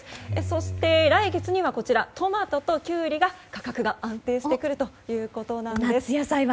そして、来月にはトマトとキュウリが価格が安定してくるということなんです。